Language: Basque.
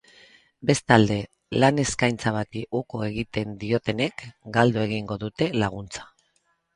Bestalde, lan eskaintza bati uko egiten diotenek galdu egingo dute laguntza.